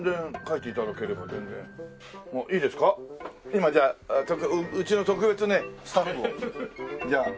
今じゃあうちの特別なねスタッフをじゃあ。